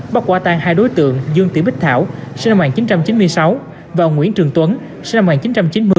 bắt quả tan hai đối tượng dương tỷ bích thảo sinh năm một nghìn chín trăm chín mươi sáu và nguyễn trường tuấn sinh năm một nghìn chín trăm chín mươi